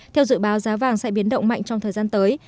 theo dự báo giá vàng sẽ biến động mạnh trong thời gian tới